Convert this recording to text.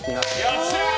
よっしゃ！